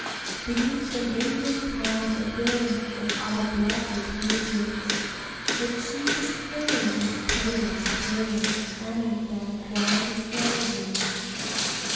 Beneath an Indian palm a girl Of other blood reposes; Her cheek is clear and pale as pearl Amid that wild of roses.